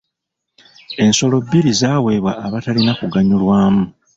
Ensolo bbiri zaaweebwa abatalina kuganyulwamu.